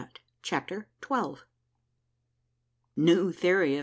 CHAPTER TWELVE. NEW THEORY OF MR.